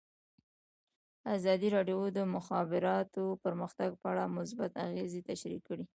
ازادي راډیو د د مخابراتو پرمختګ په اړه مثبت اغېزې تشریح کړي.